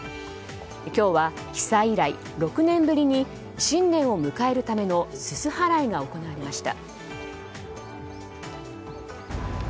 今日は被災以来６年ぶりに新年を迎えるためのすす払いが行われました。